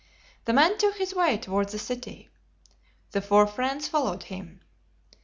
The man took his way toward the city. The four friends followed him.